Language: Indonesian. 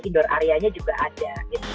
indoor area nya juga ada